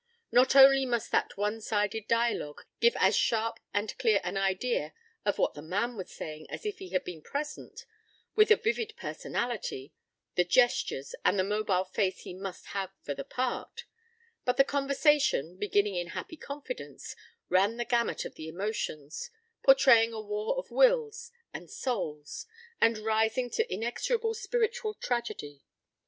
Not only must that one sided dialogue give as sharp and clear an idea of what the man was saying as if he had been present, with the vivid personality, the gestures and the mobile face he must have for the part, but the conversation, beginning in happy confidence, ran the gamut of the emotions, portraying a war of wills and souls, and rising to inexorable spiritual tragedy.